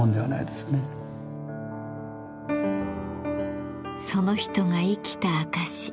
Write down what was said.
その人が生きた証し。